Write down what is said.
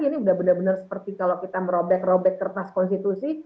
ini udah benar benar seperti kalau kita merobek robek kertas konstitusi